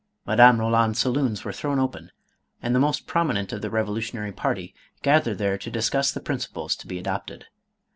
Madame Roland's saloons were thrown open, and the most promi nent of the revolutionary party gathered there to discuss •the principles to be adopted.